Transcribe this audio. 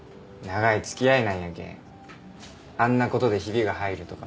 長いつきあいなんやけんあんなことでひびが入るとかもったいない。